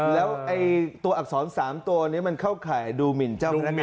แล้วตัวอักษร๓ตัวนี้มันเข้าข่ายดูหมินเจ้าพนักงาน